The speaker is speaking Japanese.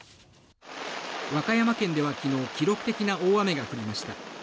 和歌山県では昨日記録的な大雨が降りました。